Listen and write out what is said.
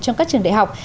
trong các trường đại học